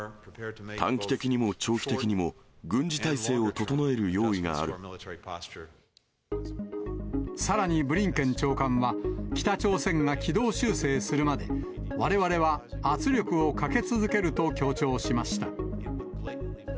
短期的にも長期的にも、さらにブリンケン長官は、北朝鮮が軌道修正するまで、われわれは圧力をかけ続けると強調しました。